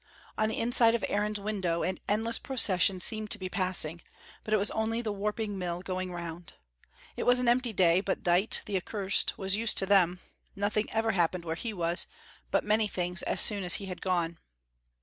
On the inside of Aaron's window an endless procession seemed to be passing, but it was only the warping mill going round. It was an empty day, but Dite, the accursed, was used to them; nothing ever happened where he was, but many things as soon as he had gone.